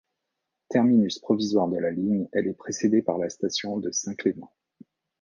Terminus provisoire de la ligne elle est précédée par la station de Saint-Clément.